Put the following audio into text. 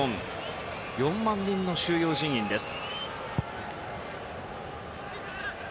４万人の収容人員です。